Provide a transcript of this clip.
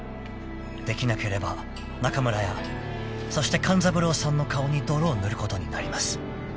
［できなければ中村屋そして勘三郎さんの顔に泥を塗ることになります］